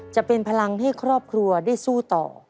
จะเป็นพลังให้ครอบครัวได้สู้ต่อ